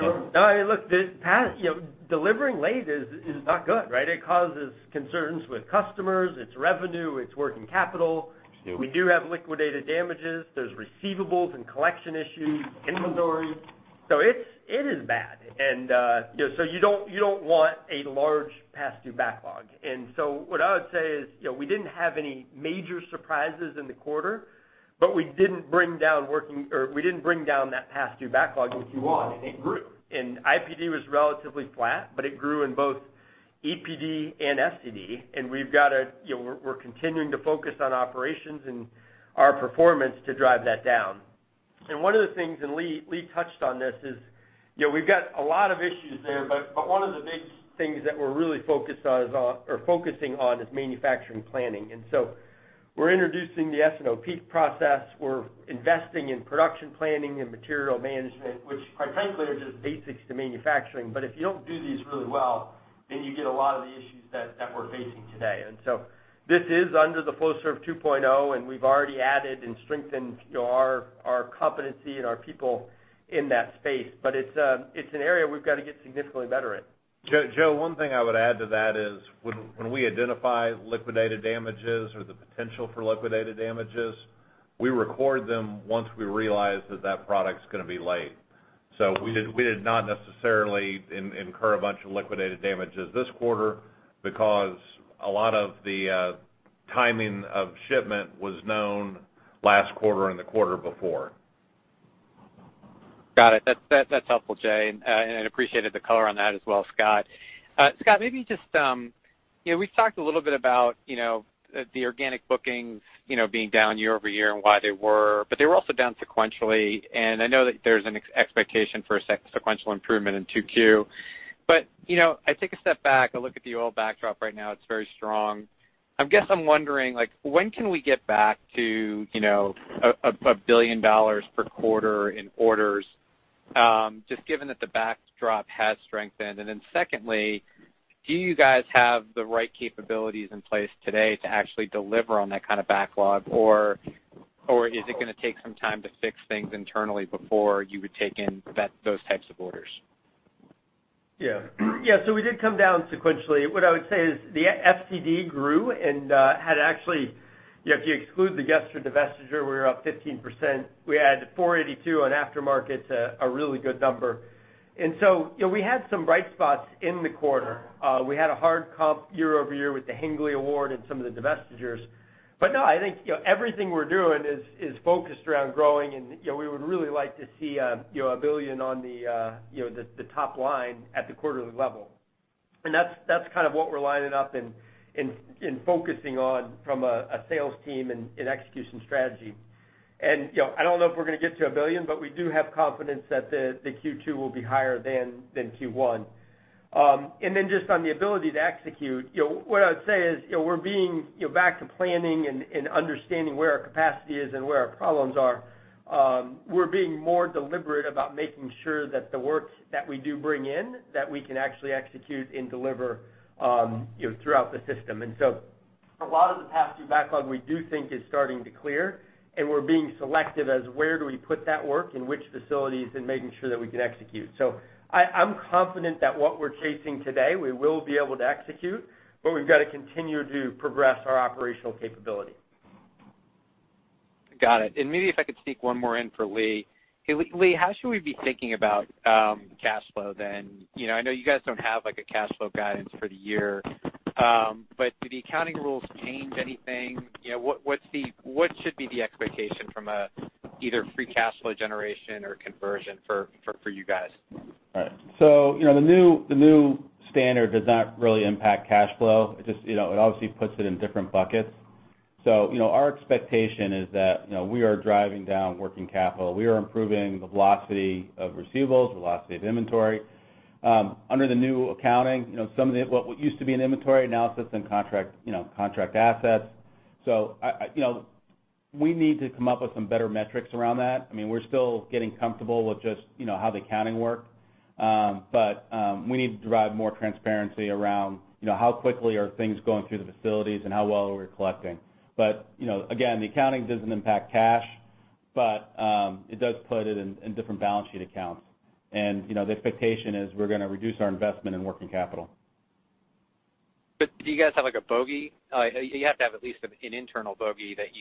Look, delivering late is not good. It causes concerns with customers. It's revenue. It's working capital. Sure. We do have liquidated damages. There's receivables and collection issues, inventory. It is bad. You don't want a large past due backlog. What I would say is, we didn't have any major surprises in the quarter, but we didn't bring down that past due backlog, which we want. It grew. IPD was relatively flat, but it grew in both EPD and FCD, and we're continuing to focus on operations and our performance to drive that down. One of the things, and Lee touched on this, is we've got a lot of issues there, but one of the big things that we're really focusing on is manufacturing planning. We're introducing the S&OP process. We're investing in production planning and material management, which quite frankly, are just basics to manufacturing. If you don't do these really well, then you get a lot of the issues that we're facing today. This is under the Flowserve 2.0, and we've already added and strengthened our competency and our people in that space. It's an area we've got to get significantly better in. Joe, one thing I would add to that is when we identify liquidated damages or the potential for liquidated damages, we record them once we realize that product's going to be late. We did not necessarily incur a bunch of liquidated damages this quarter because a lot of the timing of shipment was known last quarter and the quarter before. Got it. That's helpful, Jay, and appreciated the color on that as well, Scott. Scott, we've talked a little bit about the organic bookings being down year-over-year and why they were, but they were also down sequentially, and I know that there's an expectation for a sequential improvement in 2Q. I take a step back. I look at the oil backdrop right now. It's very strong. I guess I'm wondering, when can we get back to $1 billion per quarter in orders, just given that the backdrop has strengthened? Secondly, do you guys have the right capabilities in place today to actually deliver on that kind of backlog, or is it going to take some time to fix things internally before you would take in those types of orders? Yeah. We did come down sequentially. What I would say is the FCD grew and had actually, if you exclude the Gestra divestiture, we were up 15%. We had $482 on aftermarket, a really good number. We had some bright spots in the quarter. We had a hard comp year-over-year with the Hinkley award and some of the divestitures. No, I think everything we're doing is focused around growing, and we would really like to see $1 billion on the top line at the quarterly level. That's kind of what we're lining up and focusing on from a sales team and execution strategy. I don't know if we're going to get to $1 billion, but we do have confidence that the Q2 will be higher than Q1. Just on the ability to execute, what I would say is we're being back to planning and understanding where our capacity is and where our problems are. We're being more deliberate about making sure that the work that we do bring in, that we can actually execute and deliver throughout the system. A lot of the past due backlog we do think is starting to clear, and we're being selective as where do we put that work, in which facilities, and making sure that we can execute. I'm confident that what we're chasing today, we will be able to execute, but we've got to continue to progress our operational capability. Got it. Maybe if I could sneak one more in for Lee. Lee, how should we be thinking about cash flow then? I know you guys don't have like a cash flow guidance for the year. Do the accounting rules change anything? What should be the expectation from either free cash flow generation or conversion for you guys? All right. The new standard does not really impact cash flow. It obviously puts it in different buckets. Our expectation is that we are driving down working capital. We are improving the velocity of receivables, the velocity of inventory. Under the new accounting, some of what used to be in inventory now sits in contract assets. We need to come up with some better metrics around that. We're still getting comfortable with just how the accounting work. We need to drive more transparency around how quickly are things going through the facilities and how well we're collecting. Again, the accounting doesn't impact cash, but it does put it in different balance sheet accounts. The expectation is we're going to reduce our investment in working capital. Do you guys have like a bogey? You have to have at least an internal bogey that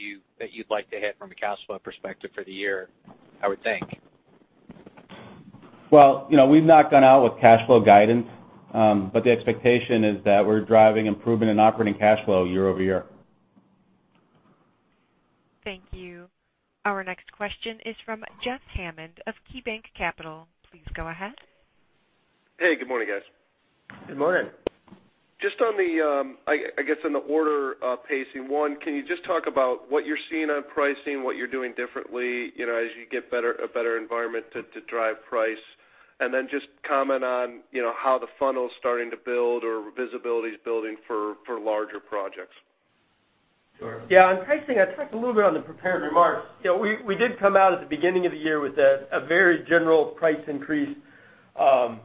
you'd like to hit from a cash flow perspective for the year, I would think. Well, we've not gone out with cash flow guidance. The expectation is that we're driving improvement in operating cash flow year-over-year. Thank you. Our next question is from Jeff Hammond of KeyBanc Capital. Please go ahead. Hey, good morning, guys. Good morning. Just on the order pacing, one, can you just talk about what you're seeing on pricing, what you're doing differently as you get a better environment to drive price? Then just comment on how the funnel's starting to build or visibility's building for larger projects. Sure. Yeah. On pricing, I talked a little bit on the prepared remarks. We did come out at the beginning of the year with a very general price increase on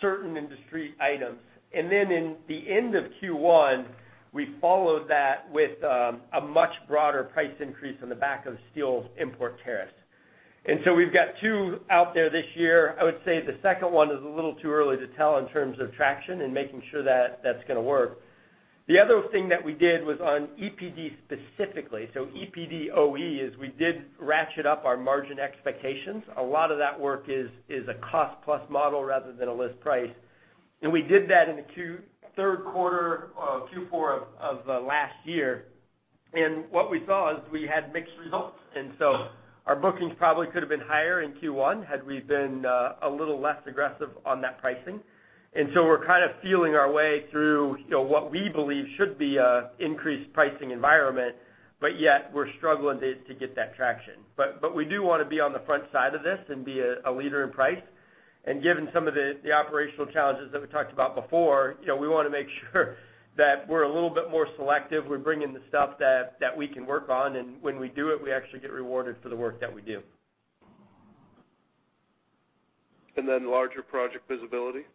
certain industry items. Then in the end of Q1, we followed that with a much broader price increase on the back of steel import tariffs. So we've got two out there this year. I would say the second one is a little too early to tell in terms of traction and making sure that's going to work. The other thing that we did was on EPD specifically. So EPD OE is we did ratchet up our margin expectations. A lot of that work is a cost plus model rather than a list price. We did that in the third quarter of Q4 of last year. What we saw is we had mixed results. So our bookings probably could have been higher in Q1 had we been a little less aggressive on that pricing. So we're kind of feeling our way through what we believe should be an increased pricing environment, yet we're struggling to get that traction. We do want to be on the front side of this and be a leader in price. Given some of the operational challenges that we talked about before, we want to make sure that we're a little bit more selective. We're bringing the stuff that we can work on, and when we do it, we actually get rewarded for the work that we do. Larger project visibility?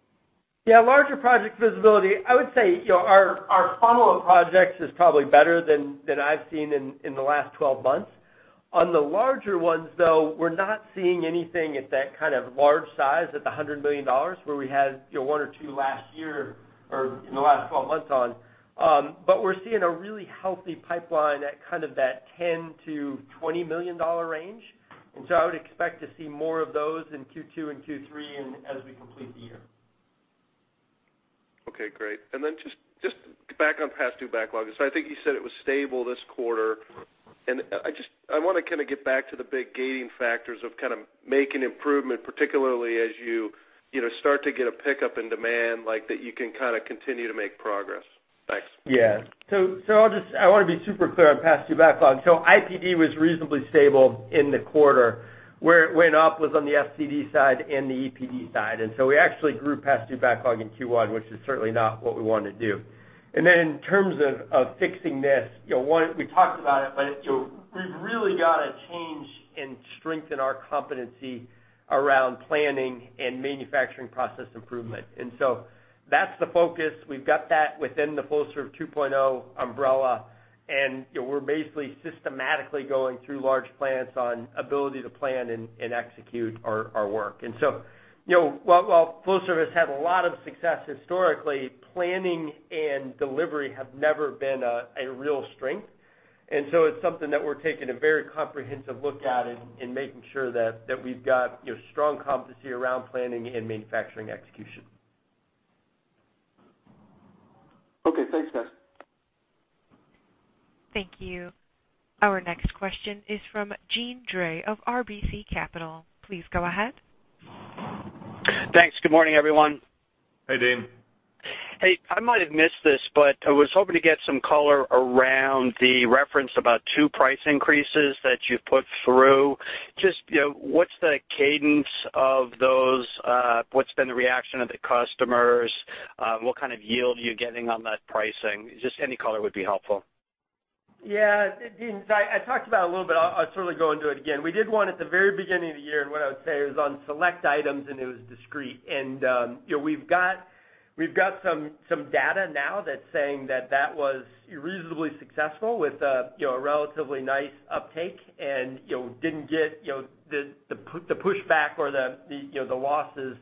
Yeah, larger project visibility. I would say our funnel of projects is probably better than I've seen in the last 12 months. On the larger ones, though, we're not seeing anything at that kind of large size at the $100 million, where we had one or two last year or in the last 12 months on. We're seeing a really healthy pipeline at kind of that $10 million to $20 million range. I would expect to see more of those in Q2 and Q3 and as we complete the year. Okay, great. Just back on past due backlog. I think you said it was stable this quarter, and I want to kind of get back to the big gating factors of kind of making improvement, particularly as you start to get a pickup in demand like that you can kind of continue to make progress. Thanks. Yeah. I want to be super clear on past due backlog. IPD was reasonably stable in the quarter. Where it went up was on the FCD side and the EPD side. We actually grew past due backlog in Q1, which is certainly not what we want to do. In terms of fixing this, one, we talked about it, but we've really got to change and strengthen our competency around planning and manufacturing process improvement. That's the focus. We've got that within the Flowserve 2.0 umbrella, and we're basically systematically going through large plants on ability to plan and execute our work. While Flowserve has had a lot of success historically, planning and delivery have never been a real strength. It's something that we're taking a very comprehensive look at in making sure that we've got strong competency around planning and manufacturing execution. Okay. Thanks, guys. Thank you. Our next question is from Deane Dray of RBC Capital. Please go ahead. Thanks. Good morning, everyone. Hey, Deane. Hey, I might have missed this, I was hoping to get some color around the reference about two price increases that you've put through. What's the cadence of those? What's been the reaction of the customers? What kind of yield are you getting on that pricing? Any color would be helpful. Deane, I talked about it a little bit. I'll certainly go into it again. We did one at the very beginning of the year, what I would say is on select items, it was discrete. We've got some data now that's saying that was reasonably successful with a relatively nice uptake and didn't get the pushback or the losses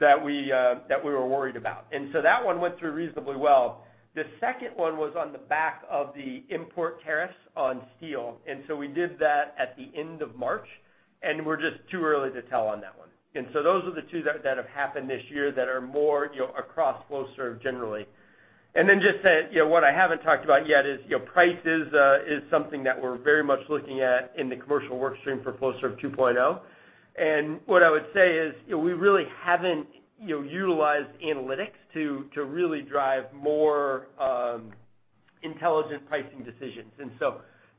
that we were worried about. That one went through reasonably well. The second one was on the back of the import tariffs on steel, we did that at the end of March, we're just too early to tell on that one. Those are the two that have happened this year that are more across Flowserve generally. Just saying, what I haven't talked about yet is price is something that we're very much looking at in the commercial work stream for Flowserve 2.0. What I would say is we really haven't utilized analytics to really drive more intelligent pricing decisions.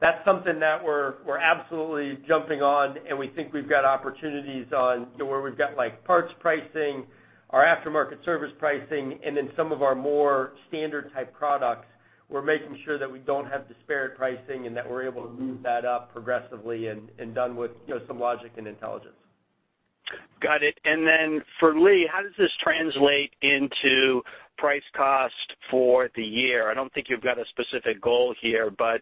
That's something that we're absolutely jumping on, we think we've got opportunities on where we've got parts pricing, our aftermarket service pricing, and then some of our more standard type products. We're making sure that we don't have disparate pricing and that we're able to move that up progressively and done with some logic and intelligence. Got it. For Lee, how does this translate into price cost for the year? I don't think you've got a specific goal here, but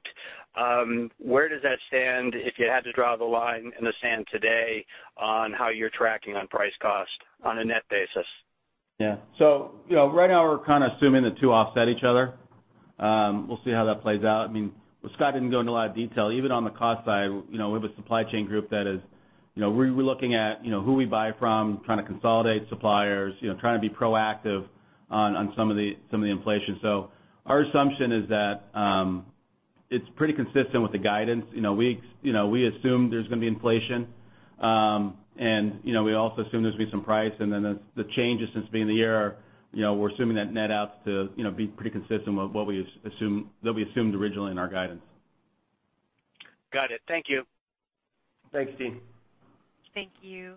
where does that stand if you had to draw the line in the sand today on how you're tracking on price cost on a net basis? Yeah. Right now, we're kind of assuming the two offset each other. We'll see how that plays out. I mean, Scott didn't go into a lot of detail, even on the cost side. We have a supply chain group we're looking at who we buy from, trying to consolidate suppliers, trying to be proactive on some of the inflation. Our assumption is that it's pretty consistent with the guidance. We assume there's going to be inflation. We also assume there's going to be some price. The changes since the beginning of the year, we're assuming that nets out to be pretty consistent with what we assumed originally in our guidance. Got it. Thank you. Thanks, Deane. Thank you.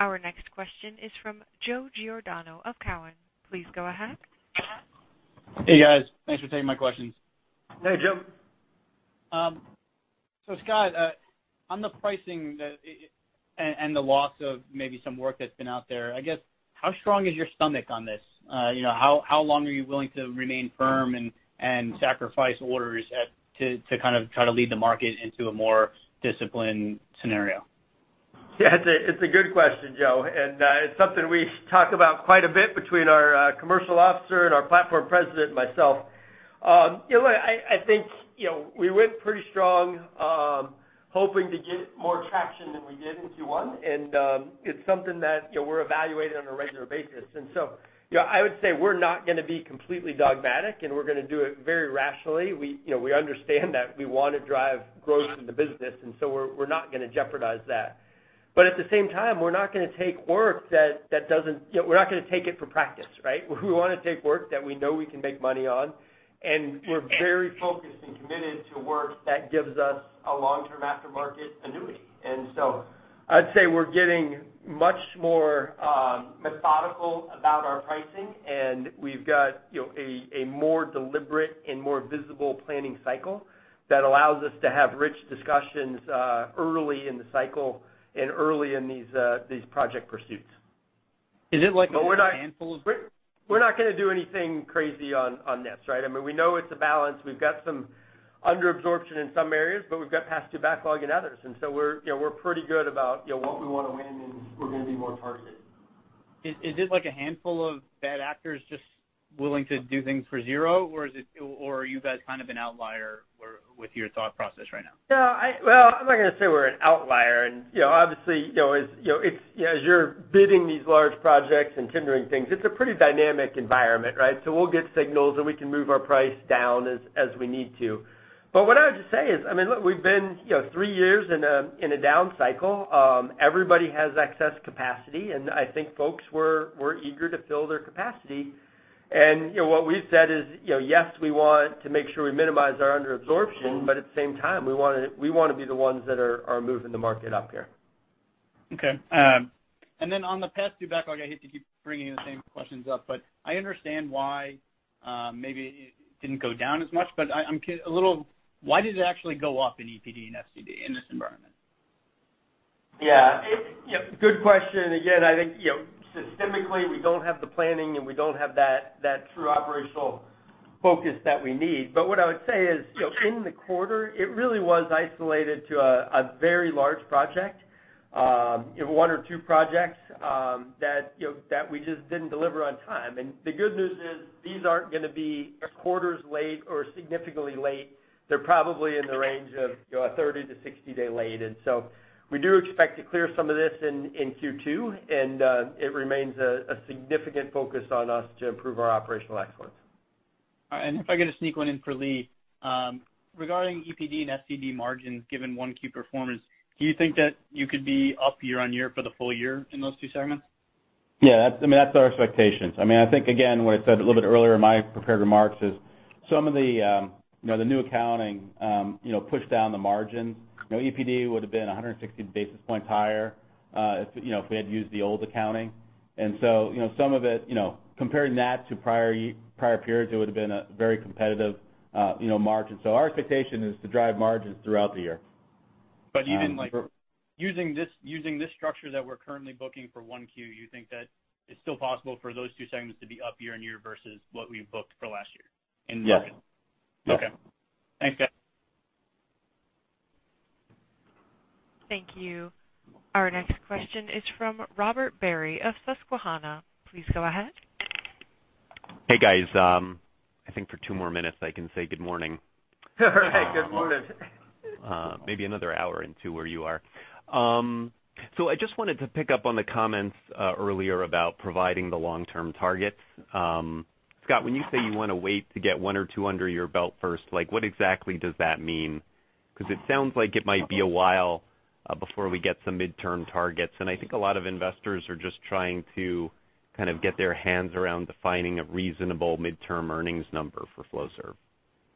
Our next question is from Joe Giordano of Cowen. Please go ahead. Hey, guys. Thanks for taking my questions. Hey, Joe. Scott, on the pricing and the loss of maybe some work that's been out there, I guess, how strong is your stomach on this? How long are you willing to remain firm and sacrifice orders to kind of try to lead the market into a more disciplined scenario? Yeah. It's a good question, Joe, and it's something we talk about quite a bit between our commercial officer and our platform president and myself. I think we went pretty strong hoping to get more traction than we did in Q1, and it's something that we're evaluating on a regular basis. I would say we're not going to be completely dogmatic, and we're going to do it very rationally. We understand that we want to drive growth in the business, we're not going to jeopardize that. At the same time, we're not going to take work. We're not going to take it for practice, right? We want to take work that we know we can make money on, and we're very focused and committed to work that gives us a long-term aftermarket annuity. I'd say we're getting much more methodical about our pricing, and we've got a more deliberate and more visible planning cycle that allows us to have rich discussions early in the cycle and early in these project pursuits. Is it like a handful? We're not going to do anything crazy on this, right? I mean, we know it's a balance. We've got some under-absorption in some areas, but we've got past due backlog in others. We're pretty good about what we want to win, and we're going to be more targeted. Is this like a handful of bad actors just willing to do things for zero? Or are you guys kind of an outlier with your thought process right now? Well, I'm not going to say we're an outlier. Obviously, as you're bidding these large projects and tendering things, it's a pretty dynamic environment, right? We'll get signals, and we can move our price down as we need to. What I would just say is, look, we've been three years in a down cycle. Everybody has excess capacity, and I think folks were eager to fill their capacity. What we've said is, yes, we want to make sure we minimize our under-absorption, but at the same time, we want to be the ones that are moving the market up here. Okay. Then on the past due backlog, I hate to keep bringing the same questions up, but I understand why maybe it didn't go down as much, but why did it actually go up in EPD and FCD in this environment? Yeah. Good question. Again, I think systemically, we don't have the planning, and we don't have that true operational focus that we need. What I would say is, in the quarter, it really was isolated to a very large project, one or two projects that we just didn't deliver on time. The good news is these aren't going to be quarters late or significantly late. They're probably in the range of 30 to 60 day late. So we do expect to clear some of this in Q2, and it remains a significant focus on us to improve our operational excellence. All right. If I get a sneak one in for Lee. Regarding EPD and FCD margins, given 1Q performance, do you think that you could be up year-on-year for the full year in those two segments? Yeah, that's our expectations. I think, again, what I said a little bit earlier in my prepared remarks is some of the new accounting pushed down the margins. EPD would've been 160 basis points higher if we had used the old accounting. Some of it, comparing that to prior periods, it would've been a very competitive margin. Our expectation is to drive margins throughout the year. Even using this structure that we're currently booking for 1Q, you think that it's still possible for those two segments to be up year-on-year versus what we've booked for last year in margin? Yes. Okay. Thanks, guys. Thank you. Our next question is from Robert Barry of Susquehanna. Please go ahead. Hey, guys. I think for two more minutes, I can say good morning. Good morning. Maybe another hour and two where you are. I just wanted to pick up on the comments earlier about providing the long-term targets. Scott, when you say you want to wait to get one or two under your belt first, what exactly does that mean? Because it sounds like it might be a while before we get some midterm targets, and I think a lot of investors are just trying to kind of get their hands around defining a reasonable midterm earnings number for Flowserve.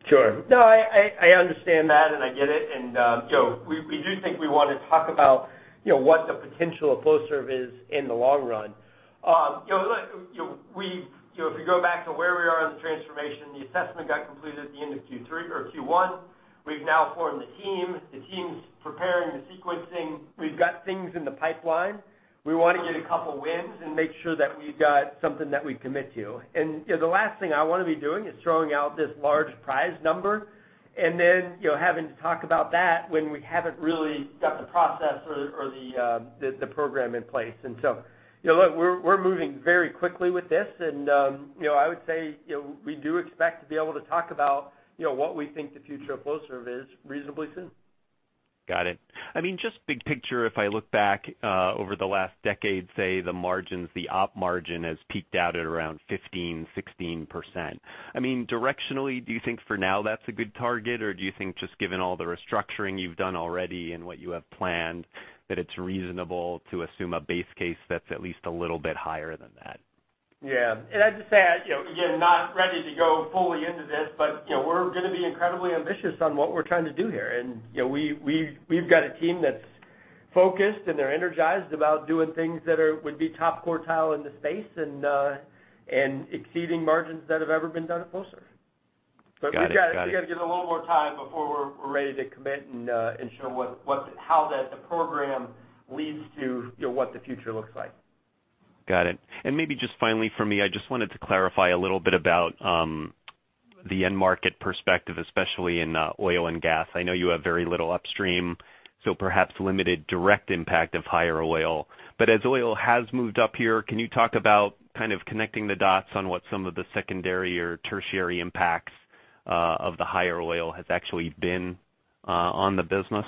Sure. No, I understand that, and I get it. We do think we want to talk about what the potential of Flowserve is in the long run. If you go back to where we are in the transformation, the assessment got completed at the end of Q1. We've now formed the team. The team's preparing the sequencing. We've got things in the pipeline. We want to get a couple wins and make sure that we've got something that we commit to. The last thing I want to be doing is throwing out this large prize number and then having to talk about that when we haven't really got the process or the program in place. Look, we're moving very quickly with this, and I would say we do expect to be able to talk about what we think the future of Flowserve is reasonably soon. Got it. Just big picture, if I look back over the last decade, say, the margins, the op margin has peaked out at around 15%-16%. Directionally, do you think for now that's a good target, or do you think just given all the restructuring you've done already and what you have planned, that it's reasonable to assume a base case that's at least a little bit higher than that? Yeah. I'd just say, again, not ready to go fully into this, but we're going to be incredibly ambitious on what we're trying to do here. We've got a team that's focused, and they're energized about doing things that would be top quartile in the space and exceeding margins that have ever been done at Flowserve. Got it. We got to give it a little more time before we're ready to commit and show how the program leads to what the future looks like. Got it. Maybe just finally for me, I just wanted to clarify a little bit about the end market perspective, especially in oil and gas. I know you have very little upstream, so perhaps limited direct impact of higher oil. As oil has moved up here, can you talk about kind of connecting the dots on what some of the secondary or tertiary impacts of the higher oil has actually been on the business?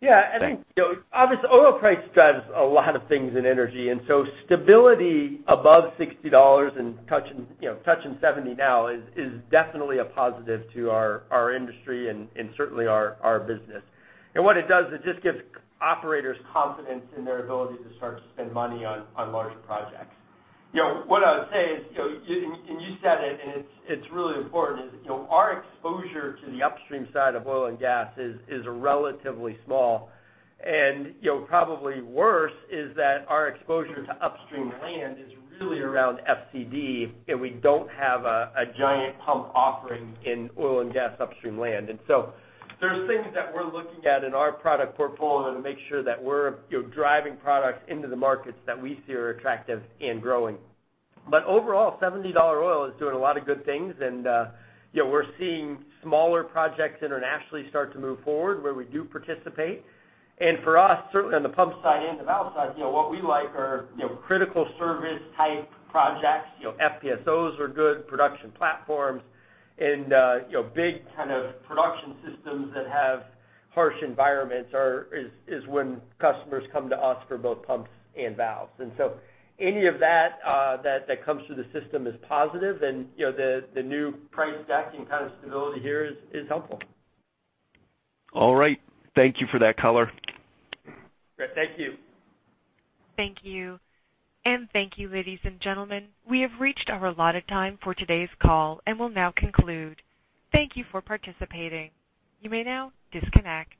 Yeah. I think, obviously oil price drives a lot of things in energy, stability above $60 and touching $70 now is definitely a positive to our industry and certainly our business. What it does is it just gives operators confidence in their ability to start to spend money on larger projects. What I would say is, and you said it, and it's really important, is our exposure to the upstream side of oil and gas is relatively small. Probably worse is that our exposure to upstream land is really around FCD and we don't have a giant pump offering in oil and gas upstream land. There's things that we're looking at in our product portfolio to make sure that we're driving products into the markets that we see are attractive and growing. Overall, $70 oil is doing a lot of good things and we're seeing smaller projects internationally start to move forward where we do participate. For us, certainly on the pump side and the valve side, what we like are critical service type projects. FPSOs are good, production platforms, and big kind of production systems that have harsh environments is when customers come to us for both pumps and valves. Any of that comes through the system is positive and the new price backing kind of stability here is helpful. All right. Thank you for that color. Great. Thank you. Thank you. Thank you, ladies and gentlemen. We have reached our allotted time for today's call and will now conclude. Thank you for participating. You may now disconnect.